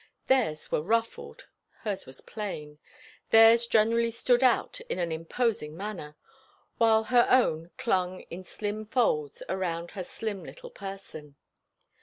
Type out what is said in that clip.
Theirs were ruffled; hers was plain; theirs generally stood out in an imposing manner; while her own clung in slim folds around her slim little person.